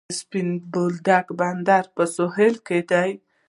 د سپین بولدک بندر په سویل کې دی